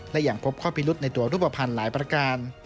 และยังพบข้อพิรุษในตัวรูปภัณฑ์หลายประการ